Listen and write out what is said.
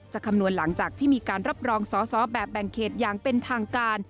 คำนวณหลังจากที่มีการรับรองสอสอแบบแบ่งเขตอย่างเป็นทางการ